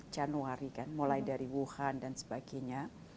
januari kan mulai dari wuhan dan sebagainya